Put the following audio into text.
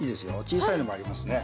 小さいのもありますね。